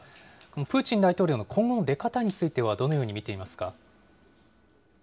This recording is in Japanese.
プーチン大統領、今後の出方についてはどのように見ていますか。